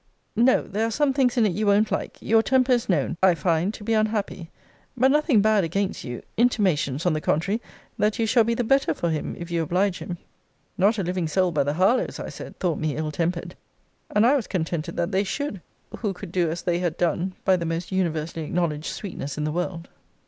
No; there are some things in it you won't like. Your temper is known, I find, to be unhappy. But nothing bad against you; intimations, on the contrary, that you shall be the better for him, if you oblige him. Not a living soul but the Harlowes, I said, thought me ill tempered: and I was contented that they should, who could do as they had done by the most universally acknowledged sweetness in the world.